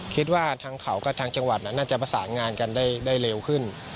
คิดว่าทางเขากับทางจังหวัดน่าจะประสานงานกันได้เร็วขึ้น